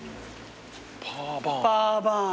パーバーン。